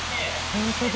本当だ。